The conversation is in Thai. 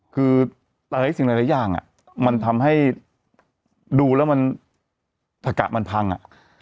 คือหลายสิ่งหลายอย่างมันทำให้ดูแล้วมันตะกะมันพังอ่ะ